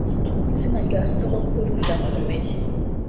izina rya sogokuru rirakomeye